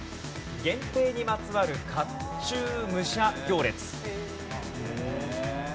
源平にまつわる甲冑武者行列。